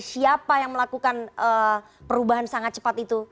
siapa yang melakukan perubahan sangat cepat itu